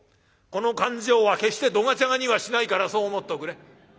この勘定は決してどがちゃがにはしないからそう思っておくれ。